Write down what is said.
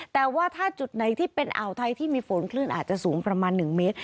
แต่ว่าถ้าจุดไหนที่เป็นอ่าวไทยที่มีฝนคลื่นอาจจะสูงประมาณ๑เมตร